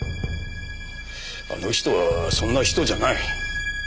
あの人はそんな人じゃない。